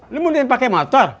lo mau nonton yang pakai motor